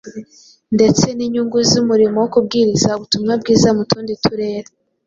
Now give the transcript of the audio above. ndetse n’inyungu z’umurimo wo kubwiriza ubutumwa bwiza mu tundi turere;